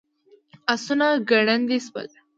آسونه ګړندي شول.